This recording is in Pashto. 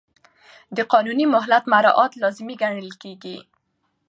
د قانوني مهلت مراعات لازمي ګڼل کېږي.